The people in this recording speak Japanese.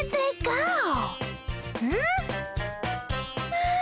ああ！